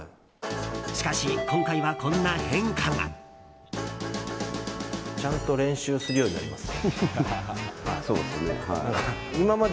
しかし、今回はこんな変化が。ちゃんと練習するようになります。